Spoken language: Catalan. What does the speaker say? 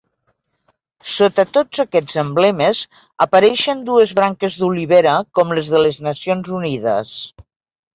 Sota tots aquests emblemes, apareixen dues branques d'olivera com les de les Nacions Unides.